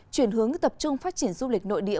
chuyển hướng tập trung phát triển du lịch nội địa